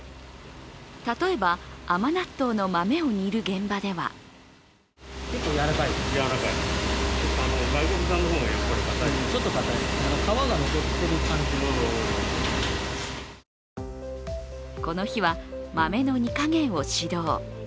例えば、甘納豆の豆を煮る現場ではこの日は、豆の煮加減を指導。